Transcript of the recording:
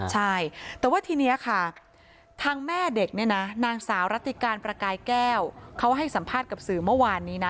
ใช่แต่ว่าทีนี้ค่ะทางแม่เด็กเนี่ยนะนางสาวรัติการประกายแก้วเขาให้สัมภาษณ์กับสื่อเมื่อวานนี้นะ